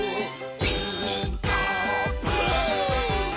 「ピーカーブ！」